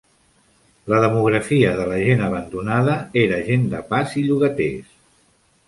La demografia de la gent abandonada era gent de pas i llogaters.